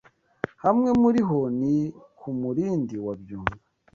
Hamwe muri ho ni ku Murindi wa Byumba,